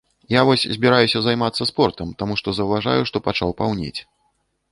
Я вось збіраюся займацца спортам, таму што заўважаю, што пачаў паўнець.